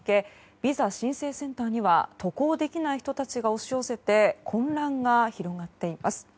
ビザ申請センターには渡航できない人たちが押し寄せて混乱が広がっています。